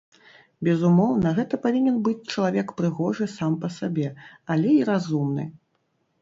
Безумоўна, гэта павінен быць чалавек прыгожы сам па сабе, але і разумны.